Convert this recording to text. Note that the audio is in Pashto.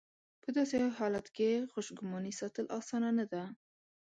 په داسې حالت کې خوشګماني ساتل اسانه نه ده.